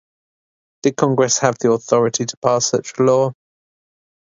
Did Congress have the authority to pass such a law?